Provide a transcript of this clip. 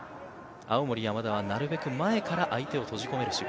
青森山田はなるべく前から相手を閉じ込める。